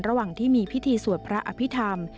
ระหว่างที่มีพิธีสวดพระอภิษฐรรม